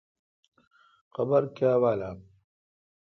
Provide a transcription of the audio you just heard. قابر کاں والان۔